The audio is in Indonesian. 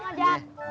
mak awards latihan